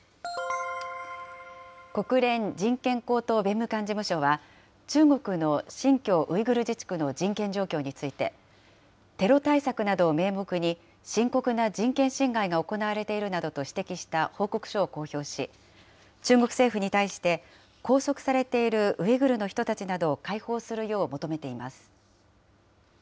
国連人権高等弁務官事務所は中国の新疆ウイグル自治区の人権状況について、テロ対策などを名目に、深刻な人権侵害が行われているなどと指摘した報告書を公表し、中国政府に対して、拘束されているウイグルの人たちなどを解放するよう求めています。